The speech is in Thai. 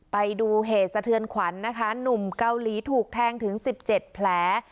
ไปดูเหตุสะเทือนขวัญนะคะหนุ่มเกาหลีถูกแทงถึง๑๗แผล